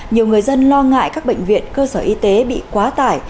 nhiều người dân lo ngại các bệnh viện cơ sở y tế bị quá tải